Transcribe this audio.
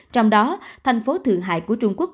trong đó thành phố thượng hải của trung quốc